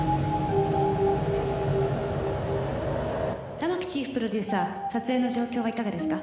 「玉木チーフプロデューサー撮影の状況はいかがですか？」